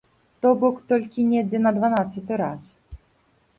То бок толькі недзе на дванаццаты раз.